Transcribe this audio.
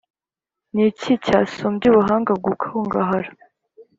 ni iki cyasumbya Ubuhanga gukungahara,